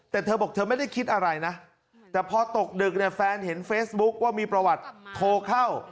แต่เธอบอกเธอไม่ได้คิดอะไรนะแต่พอตกดึกเนี่ยแฟนเห็นเฟซบุ๊คว่ามีประวัติโทรเข้า